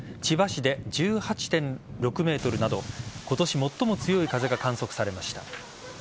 千葉市で１８．６メートルなど今年最も強い風が観測されました。